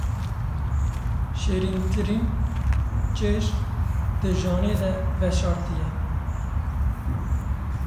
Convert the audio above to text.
Şêrîntirîn çêj, di janê de veşartî ye.